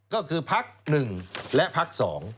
ก็คือพัก๑และพัก๒